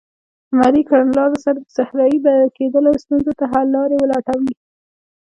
عملي کړنلارو سره د صحرایې کیدلو ستونزو ته حل لارې ولټوي.